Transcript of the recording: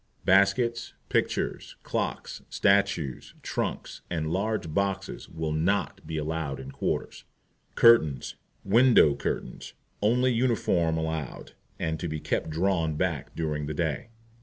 Baskets, Pictures, Clocks, Statues, Trunks, and large Boxes will NOT be allowed in quarters. Curtains WINDOW CURTAINS Only uniform allowed, and to be kept drawn back during the day.